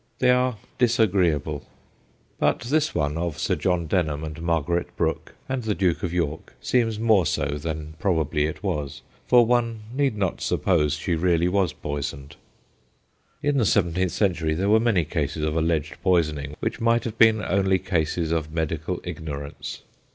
They are disagreeable, but this one of Sir John Denham and Margaret Brook and the Duke 110 THE GHOSTS OF PICCADILLY of York seems more so than probably it was, for one need not suppose she really was poisoned. In the seventeenth century there were many cases of alleged poisoning which might have been only cases of medical ignor ance.